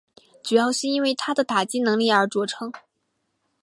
主要是因为他的打击能力而着称。